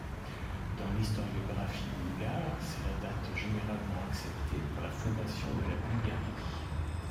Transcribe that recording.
Dans l'historiographie bulgare, c'est la date généralement acceptée pour la fondation de la Bulgarie.